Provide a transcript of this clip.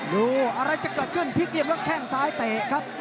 ดูอะไรจะเกิดขึ้นพลิกเหลี่ยมแล้วแข้งซ้ายเตะครับ